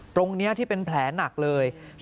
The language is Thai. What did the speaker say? ตรงนี้ที่เป็นแผลหนักเลย